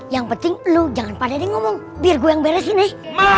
yang penting lu jangan pada ini ngomong biar gue yang beresin nih